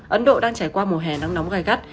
ấn độ đang trải qua mùa hè nắng nóng gai gắt